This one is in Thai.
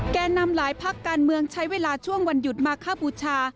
แก่นำหลายพักการเมืองใช้เวลาช่วงวันหยุดมาข้าบูชา